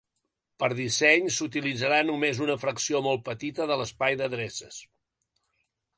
Per disseny, s'utilitzarà només una fracció molt petita de l'espai d'adreces.